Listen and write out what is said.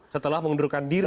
setelah mengundurkan diri